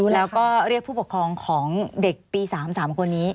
แล้วก็เรียกผู้ปกครองของเด็กปี๓๓คนนี้